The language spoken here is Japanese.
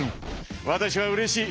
わたしはうれしい。